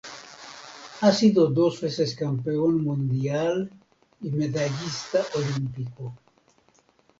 Ha sido dos veces campeón mundial y medallista olímpico.